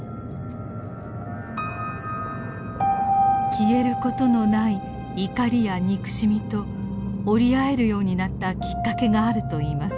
消えることのない怒りや憎しみと折り合えるようになったきっかけがあるといいます。